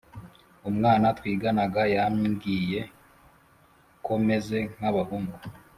umwana twiganaga yambwiye ko meze nk’abahungu,